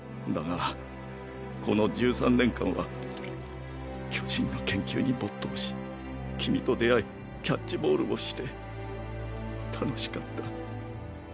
だがこの１３年間は巨人の研究に没頭し君と出会いキャッチボールをして楽しかった。